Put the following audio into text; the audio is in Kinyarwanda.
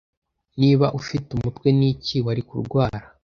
Niba ufite umutwe niki wari kurwara